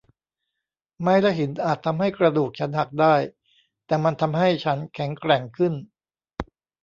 ไม้และหินอาจทำกระดูกฉันหักได้ แต่มันทำให้ฉันแข็งแกร่งขึ้น